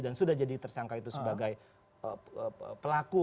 dan sudah jadi tersangka itu sebagai pelaku